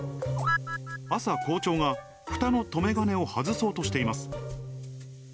朝、校長が、ふたの留め金を外そうとしています。